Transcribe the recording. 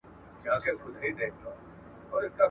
ته چي را سره یې له انار سره مي نه لګي.